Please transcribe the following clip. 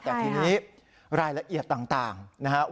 แต่ทีนี้รายละเอียดต่างนะครับ